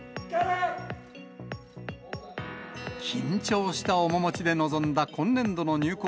緊張した面持ちで臨んだ今年度の入校